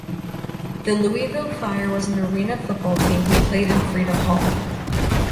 The Louisville Fire was an Arena Football team who played in Freedom Hall.